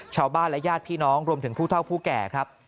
ชาวบ้านและญาติพี่น้องรวมถึงผู้เท่าผู้แก่ครับ